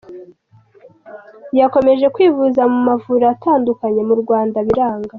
Yakomeje kwivuza mu mavuriro atandukanye mu Rwanda biranga.